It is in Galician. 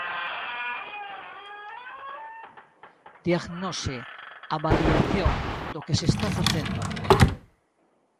Diagnose, avaliación do que se está facendo.